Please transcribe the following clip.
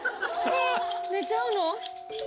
寝ちゃうの？